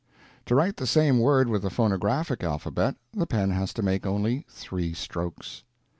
To write the same word with the phonographic alphabet, the pen has to make only _three _strokes.